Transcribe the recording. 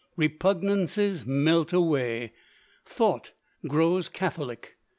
Repugnances melt away. Thought grows catholic.